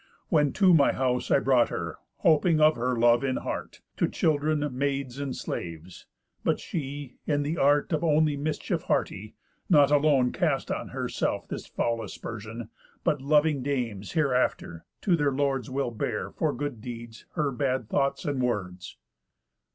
When to my house I brought her, hoping of her love in heart, To children, maids, and slaves. But she (in th' art Of only mischief hearty) not alone Cast on herself this foul aspersión, But loving dames, hereafter, to their lords Will bear, for good deeds, her bad thoughts and words.